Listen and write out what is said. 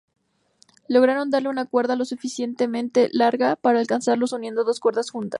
Lograron darle una cuerda lo suficientemente larga para alcanzarlos uniendo dos cuerdas juntas.